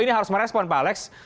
ini harus merespon pak alex